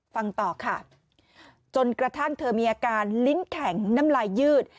ฟังต่อค่ะจนกระทั่งเธอมีอาการลิ้นแข็งน้ำลายยืด